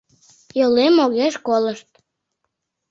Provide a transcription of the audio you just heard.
Йолем огеш колышт.